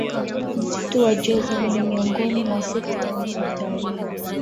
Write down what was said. Msitu wa Jozani ni miongoni mwa sekta muhimu ya utalii